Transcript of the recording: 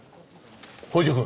北条君。